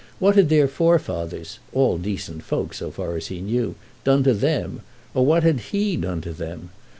What had their forefathers—all decent folk, so far as he knew—done to them, or what had he done to them?